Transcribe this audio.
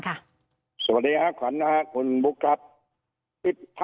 สวัสดีค่ะคุณบุ๊คครับ